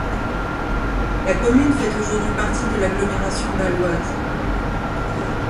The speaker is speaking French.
La commune fait aujourd'hui partie de l'agglomération bâloise.